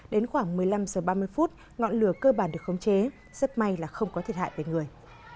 đến khoảng một mươi năm h ba mươi ngọn lửa cơ bản được khống chế rất may là không có thiệt hại về người